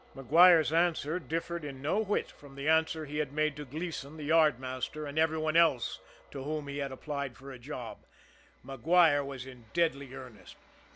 Maguire's answer differed in no whit from the answer he had made to Gleason, the yardmaster, and every one else to whom he had applied for a job Maguire was in deadly earnest.